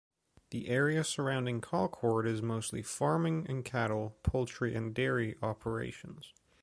The area surrounding Colcord is mostly farming and cattle, poultry and dairy operations.